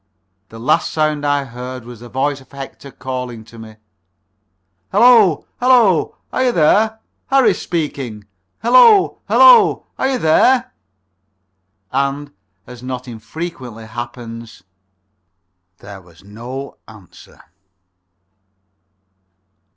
The last sound I heard was the voice of Hector calling to me: "Hullo, hullo! Are you there? Harris speaking.... Hullo, hullo.... Are you there?" And, as not infrequently happens, there was no answer.